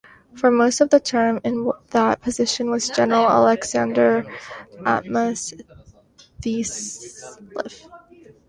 For most of the term, in that position was general Alexander Amatus Thesleff.